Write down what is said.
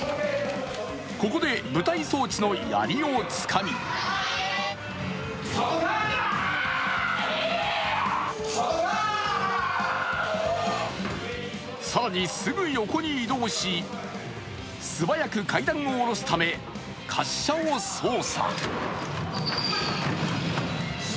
ここで舞台装置のやりをつかみ更にすぐ横に移動し素早く階段を下ろすため滑車を操作。